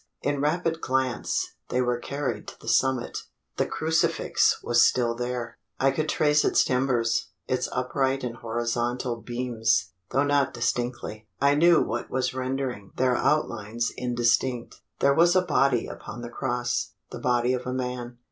In rapid glance, they were carried to the summit. The crucifix was still there. I could trace its timbers its upright and horizontal beams though not distinctly. I knew what was rendering their outlines indistinct. There was a body upon the cross the body of a man.